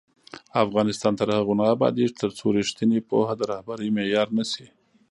افغانستان تر هغو نه ابادیږي، ترڅو ریښتینې پوهه د رهبرۍ معیار نه شي.